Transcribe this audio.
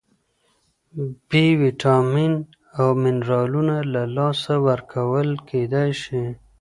بی ویټامین او منرالونه له لاسه ورکول کېدای شي.